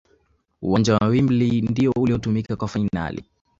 uwanja wa Wembley ndiyo uliotumika kwa fanali